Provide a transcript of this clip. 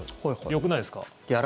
よくないですか？